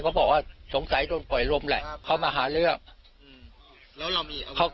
เขาบอกว่าสงสัยโดนปล่อยลมแหละเขามาหาเรื่อง